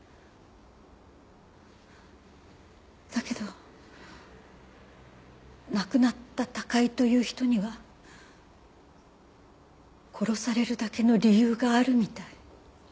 だけど亡くなった高井という人には殺されるだけの理由があるみたい。